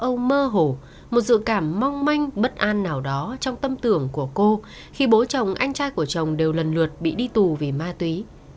ông mơ hổ một dự cảm mong manh bất an nào đó trong tâm tưởng của cô khi bố chồng anh trai của chồng đều lần lượt bị đi tù vì ma túy